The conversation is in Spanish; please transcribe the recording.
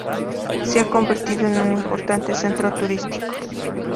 Se ha convertido en un importante centro turístico.